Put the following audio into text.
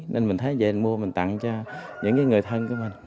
nên mình thấy về mình mua mình tặng cho những người thân của mình